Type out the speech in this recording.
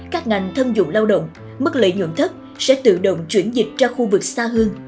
các ngành thâm dụng lao động mức lợi nhuận thấp sẽ tự động chuyển dịch ra khu vực xa hơn